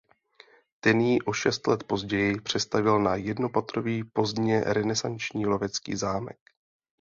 Ten ji o šest let později přestavěl na jednopatrový pozdně renesanční lovecký zámek.